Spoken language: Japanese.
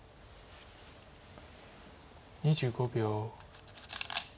２５秒。